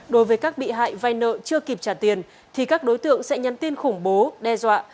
đối với các bị hại vai nợ chưa kịp trả tiền thì các đối tượng sẽ nhắn tin khủng bố đe dọa